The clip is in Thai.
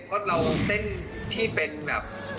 เพราะเราเต้นที่เป็นแบบ